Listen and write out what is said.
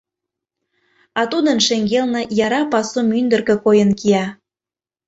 а тудын шеҥгелне яра пасу мӱндыркӧ койын кия.